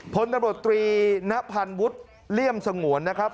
พลตำรวจตรีณพันวุฒิเลี่ยมสงวนนะครับ